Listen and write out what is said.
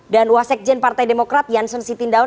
dan wasekjen partai demokrat janssen sitindaun